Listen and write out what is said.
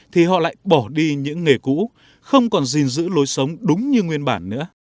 thì họ lại bỏ đi những nghề cũ không còn gìn giữ lối sống đúng như nguyên bản nữa